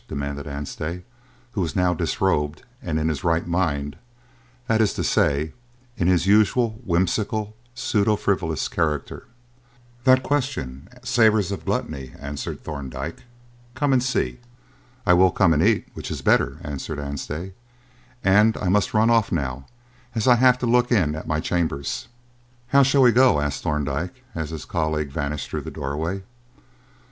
demanded Anstey, who was now disrobed and in his right mind that is to say, in his usual whimsical, pseudo frivolous character. "That question savours of gluttony," answered Thorndyke. "Come and see." "I will come and eat, which is better," answered Anstey, "and I must run off now, as I have to look in at my chambers." "How shall we go?" asked Thorndyke, as his colleague vanished through the doorway.